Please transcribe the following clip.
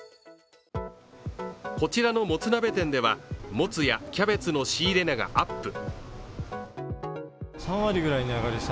こちらのもつ鍋店ではもつやキャベツの仕入れ値がアップ。